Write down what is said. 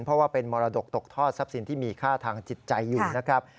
เพราะว่าเป็นมรดกตกทอดทรัพย์สินที่มีค่าทางจิตใจอยู่นะครับ